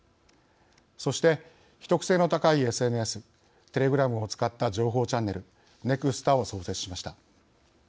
そして秘匿性の高いＳＮＳテレグラムを使った情報チャンネルＮＥＸＴＡを創設しました。